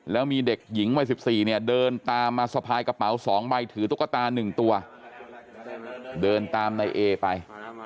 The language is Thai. แล้วมีเด็กหญิงวัย๑๔เนี่ยเดินตามมาสะพายกระเป๋า๒ใบถือตุ๊กตา๑ตัวเดินตามนายเอไป